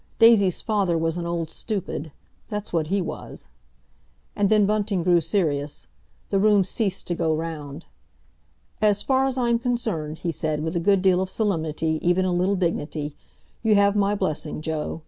Daisy's father was an old stupid—that's what he was. And then Bunting grew serious. The room ceased to go round. "As far as I'm concerned," he said, with a good deal of solemnity, even a little dignity, "you have my blessing, Joe.